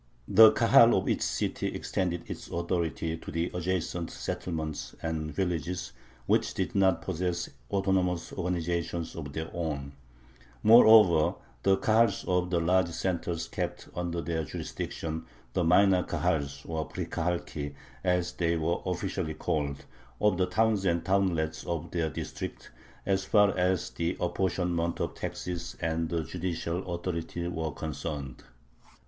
The Kahal of each city extended its authority to the adjacent settlements and villages which did not possess autonomous organizations of their own. Moreover, the Kahals of the large centers kept under their jurisdiction the minor Kahals, or prikahalki, as they were officially called, of the towns and townlets of their district, as far as the apportionment of taxes and the judicial authority were concerned.